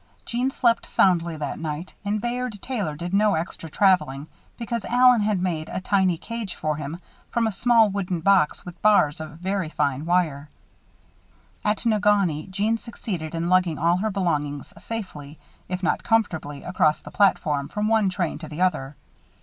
Jeanne slept soundly that night and Bayard Taylor did no extra traveling, because Allen had made a tiny cage for him from a small wooden box, with bars of very fine wire. At Negaunee, Jeanne succeeded in lugging all her belongings safely, if not comfortably, across the platform, from one train to the other.